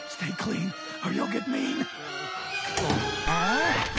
ああ？